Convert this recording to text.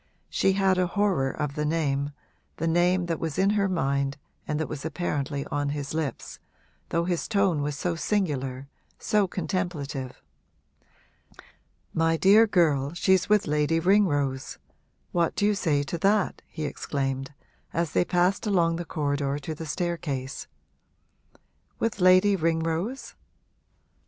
She had a horror of the name, the name that was in her mind and that was apparently on his lips, though his tone was so singular, so contemplative. 'My dear girl, she's with Lady Ringrose what do you say to that?' he exclaimed, as they passed along the corridor to the staircase. 'With Lady Ringrose?'